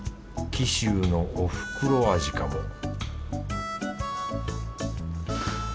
貴州のおふくろ味かも